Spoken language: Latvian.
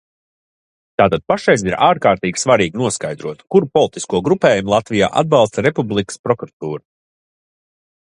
Tātad pašreiz ir ārkārtīgi svarīgi noskaidrot, kuru politisko grupējumu Latvijā atbalsta Republikas prokuratūra.